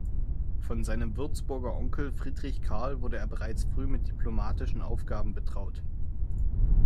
Von seinem Würzburger Onkel Friedrich Carl wurde er bereits früh mit diplomatischen Aufgaben betraut.